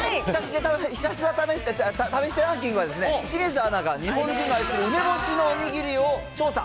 ひたすら試してランキングは、清水アナが、日本人の愛する梅干しのおにぎりを調査。